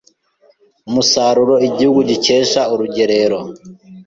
Umusaruro igihugu gikesha urugerero